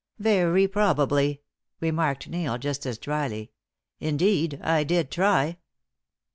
"Very probably," remarked Neil, just as drily. "Indeed. I did try!"